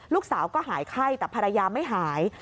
ลูกสาวก็หายไข้แต่ภรรยาไม่หาย